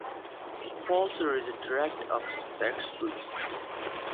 Fosler is a director of Shire plc.